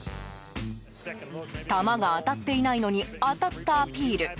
球が当たっていないのに当たったアピール。